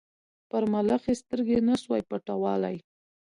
پر ملخ یې سترګي نه سوای پټولای